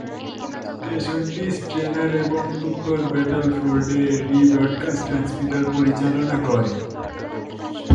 স্টেশনটি স্ট্র্যানার এবং উত্তর ব্যাটলফোর্ডে রি-ব্রডকাস্ট ট্রান্সমিটার পরিচালনা করে।